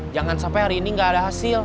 jangan sampai hari ini nggak ada hasil